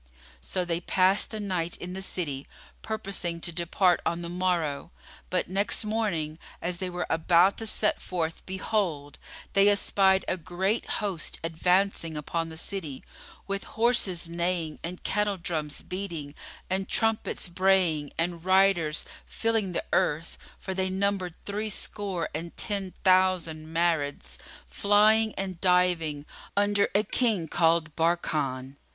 So they passed the night in the city, purposing to depart on the morrow, but, next morning, as they were about to set forth behold, they espied a great host advancing upon the city, with horses neighing and kettle drums beating and trumpets braying and riders filling the earth for they numbered threescore and ten thousand Marids, flying and diving, under a King called Barkán.